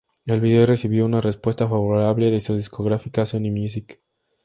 El vídeo recibió una respuesta favorable de su discográfica, Sony Music.